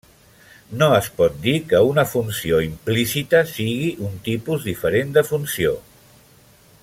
No es pot dir que una funció implícita sigui un tipus diferent de funció.